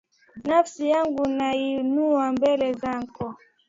Nafsi yangu naiinua mbele zako.